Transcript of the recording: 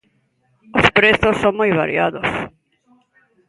Os prezos son moi variados.